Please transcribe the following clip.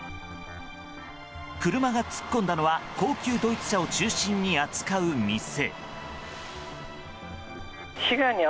車が突っ込んだのは高級ドイツ車を中心に扱う店。